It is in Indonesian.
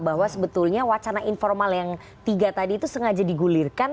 bahwa sebetulnya wacana informal yang tiga tadi itu sengaja digulirkan